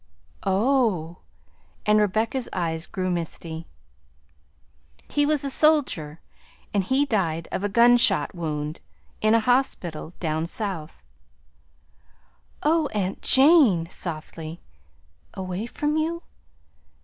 "Oh!" And Rebecca's eyes grew misty. "He was a soldier and he died of a gunshot wound, in a hospital, down South." "Oh! aunt Jane!" softly. "Away from you?"